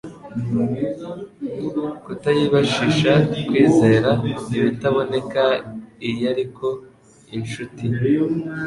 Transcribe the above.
kutayibashisha kwizera ibitaboneka iariko inshuti